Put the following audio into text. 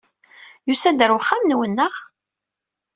Yusa-d ɣer uxxam-nwen, naɣ?